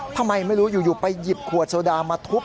ทำไมไม่รู้ยู่ไปหยิบขวดสวดามาทุบ